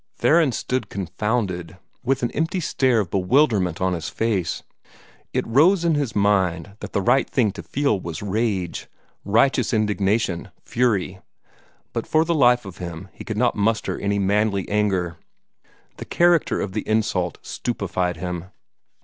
Theron stood confounded, with an empty stare of bewilderment on his face. It rose in his mind that the right thing to feel was rage, righteous indignation, fury; but for the life of him, he could not muster any manly anger. The character of the insult stupefied him.